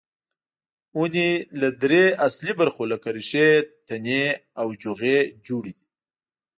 ونې له درې اصلي برخو لکه ریښې، تنه او جوغې جوړې دي.